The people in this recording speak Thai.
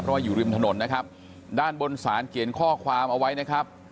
เพราะว่าอยู่ริมถนนนะครับด้านบนสารเขียนข้อความเอาไว้นะครับ